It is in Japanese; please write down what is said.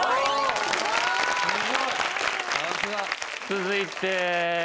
続いて。